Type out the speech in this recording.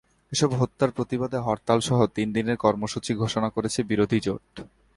এসব হত্যার প্রতিবাদে হরতালসহ তিন দিনের কর্মসূচি ঘোষণা করেছে বিরোধী জোট।